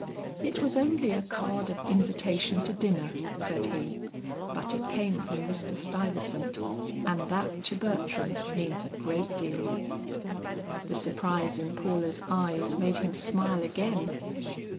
"It was only a card of invitation to dinner," said he, "but it came from Mr. Stuyvesant, and that to Bertram means a great deal." The surprise in Paula's eyes made him smile again.